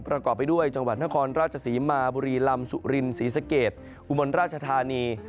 ประกอบไปด้วยจังหวัดนครราชศรีมาบุรีลำสุรินศรีสะเกดอุบลราชธานี